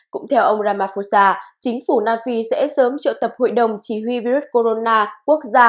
cũng theo ông ramaphosa chính phủ nam phi sẽ sớm triệu tập hội đồng chỉ huy virus corona quốc gia